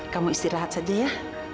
kamu istirahat saja ya